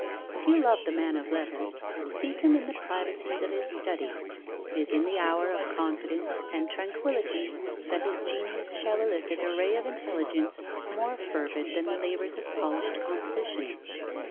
If you love the man of letters, seek him in the privacies of his study. It is in the hour of confidence and tranquillity that his genius shall elicit a ray of intelligence more fervid than the labours of polished composition.